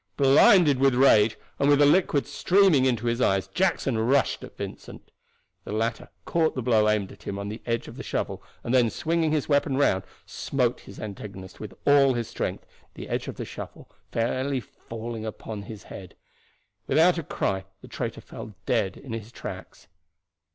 Blinded with rage, and with the liquid streaming into his eyes, Jackson rushed at Vincent. The latter caught the blow aimed at him on the edge of the shovel, and then swinging his weapon round smote his antagonist with all his strength, the edge of the shovel falling fairly upon his head. Without a cry the traitor fell dead in his tracks.